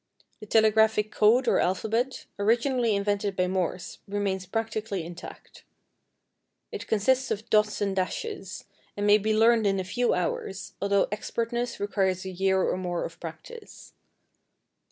The telegraphic code or alphabet, originally invented by Morse, remains practically intact. It consists of dots and dashes, and may be learned in a few hours, although expertness requires a year or more of practice.